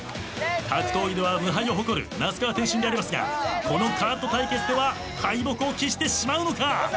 格闘技では無敗を誇る那須川天心でありますがこのカート対決では敗北を喫してしまうのか！？